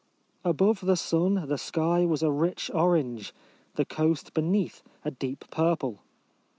Above the sun the sky was a rich orange, the coast beneath a deep purple.